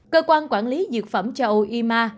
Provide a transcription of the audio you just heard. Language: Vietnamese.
cơ quan quản lý dược phẩm châu âu ima